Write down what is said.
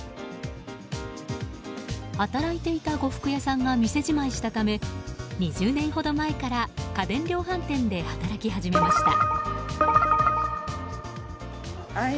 働いていた呉服屋さんが店じまいしたため２０年ほど前から家電量販店で働き始めました。